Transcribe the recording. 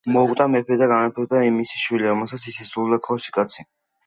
მოკვდა მეფე და გამეფდა მისი შვილი, რომელსაც ისე სძულდა ქოსა კაცი,